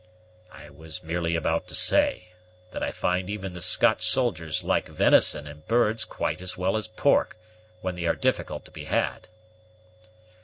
"I was merely about to say that I find even the Scotch soldiers like venison and birds quite as well as pork, when they are difficult to be had."